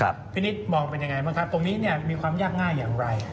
พี่นิดมองเป็นยังไงบ้างครับตรงนี้มีความยากง่ายอย่างไร